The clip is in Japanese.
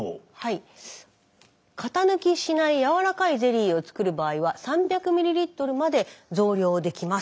「型抜きしないやわらかいゼリーをつくる場合は３００ｍｌまで増量できます」。